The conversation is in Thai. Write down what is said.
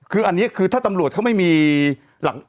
คือถ้าตำรวจเขามันไม่มี